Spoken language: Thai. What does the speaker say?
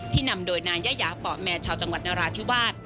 นำโดยนายยายาป่อแมนชาวจังหวัดนราธิวาส